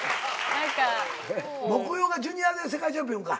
目標がジュニアで世界チャンピオンか。